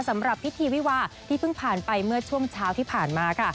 สำหรับพิธีวิวาที่เพิ่งผ่านไปเมื่อช่วงเช้าที่ผ่านมาค่ะ